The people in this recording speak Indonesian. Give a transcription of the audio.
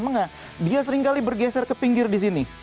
menga dia seringkali bergeser ke pinggir di sini